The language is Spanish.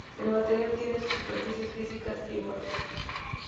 El material tiene superficies físicas y bordes.